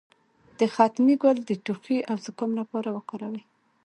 د ختمي ګل د ټوخي او زکام لپاره وکاروئ